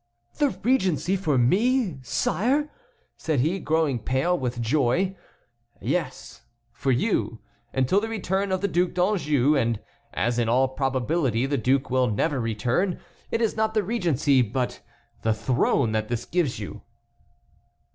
"The regency for me, sire!" said he, growing pale with joy. "Yes, for you, until the return of the Duc d'Anjou, and as in all probability the duke will never return it is not the regency only but the throne that this gives you."